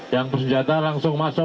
yang bersenjata langsung masuk